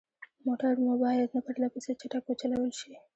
موټر مو باید نه پرلهپسې چټک وچلول شي.